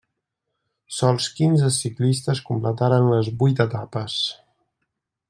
Sols quinze ciclistes completaren les vuit etapes.